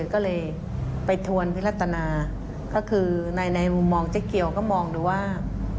ก็เลยไปทวนพิรัตนาก็คือในมุมมองเจ๊เกียวก็มองดูว่า